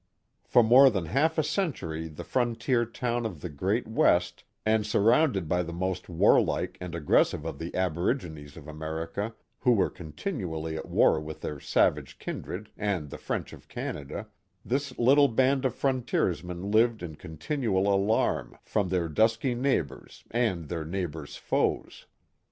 For more than half a century the frontier town of the great West, and surrounded by the most warlike and ag gressive of the aborigines of America, who were continually at war with their savage kindred and the French of Canada, this little band of frontiersrhen lived/in continual alarm, from their dusky neighbors and their neighbor's foes.